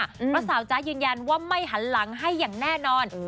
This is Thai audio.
เพราะสาวจ๊ะยืนยันว่าไม่หันหลังให้อย่างแน่นอน